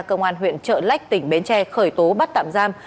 cơ quan huyện trợ lách tỉnh bến tre khởi tố bắt tạm giam